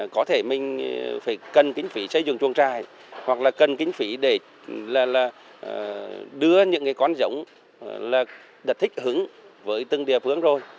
có thể mình phải cần kính phí xây dựng chuồng trài hoặc là cần kính phí để là đưa những cái con giống là thích hứng với từng địa phương rồi